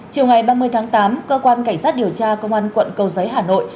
chiều ngày ba mươi tháng tám cơ quan cảnh sát điều tra công an quận cầu giấy hà nội